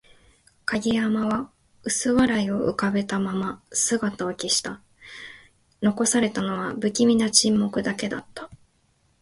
影山は薄笑いを浮かべたまま姿を消した。残されたのは、不気味な沈黙だけだった。